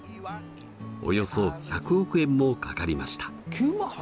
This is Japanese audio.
およそ１００億円もかかりました。